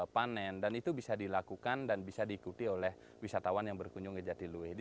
panen dan itu bisa dilakukan dan bisa diikuti oleh wisatawan yang berkunjung ke jatiluwe